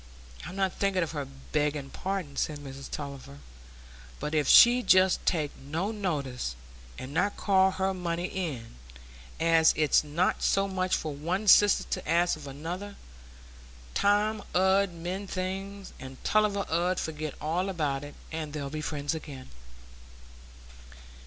"I'm not thinking of her begging pardon," said Mrs Tulliver. "But if she'd just take no notice, and not call her money in; as it's not so much for one sister to ask of another; time 'ud mend things, and Tulliver 'ud forget all about it, and they'd be friends again."